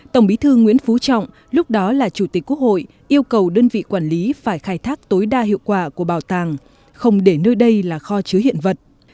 tổng bí thư nguyễn phú trọng lúc đó là chủ tịch quốc hội yêu cầu đơn vị quản lý phải khai thác tối đa hiệu quả của bảo tàng không để nơi đây là kho chứa hiện vật